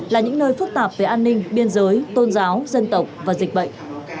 là những nơi phức tạp về an ninh biên giới tôn giáo dân tộc và dịch bệnh